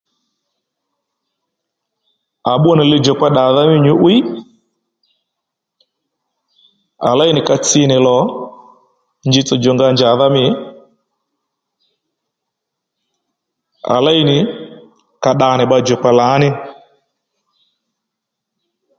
À bbú nì lidjòkpa ddàdha mí nyǔ'wiy à léy nì ka tsi nì lò njítsò djò nga njàdha mî à léy nì ka dda nì bba djòkpa lǎní